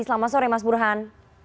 selamat sore mas burhan